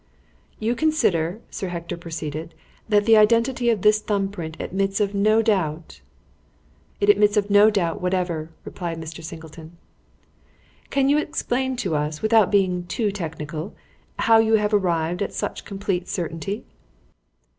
"You consider," Sir Hector proceeded, "that the identity of this thumb print admits of no doubt?" "It admits of no doubt whatever," replied Mr. Singleton. "Can you explain to us, without being too technical, how you have arrived at such complete certainty?"